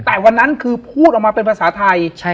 เพราะฉะนั้นคือพูดออกมาเป็นภาษาไทย